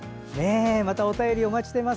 またお便りお待ちしています。